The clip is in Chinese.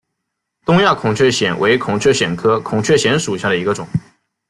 东亚孔雀藓为孔雀藓科孔雀藓属下的一个种。